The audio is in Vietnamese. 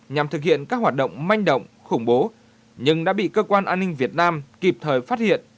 nhằm thực hiện các hoạt động manh động khủng bố nhưng đã bị cơ quan an ninh việt nam kịp thời phát hiện